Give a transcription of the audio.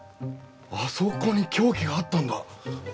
あそこに凶器があったんだ。